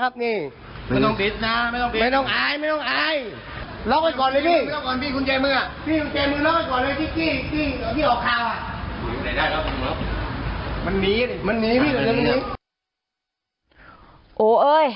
มันหนี